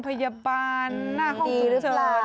เพื่อนวันเดิร์ด